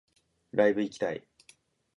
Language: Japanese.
ライブ行きたい